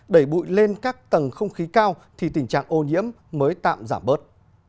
đẩy bụi lên các tầng không khí cao thì tình trạng ô nhiễm mới tạm giảm bớt